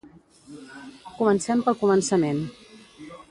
Comencem pel començament